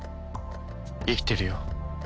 生きてるよ